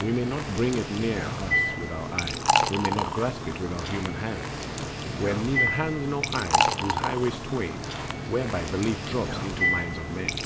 We may not bring It near us with our eyes, We may not grasp It with our human hands, With neither hands nor eyes, those highways twain Whereby Belief drops into minds of men.